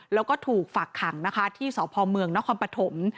แล้วก็ถูกฝากขังนะคะที่สพเมืองนครปฐม